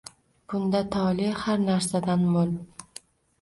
Bunda tole har narsadan mo’l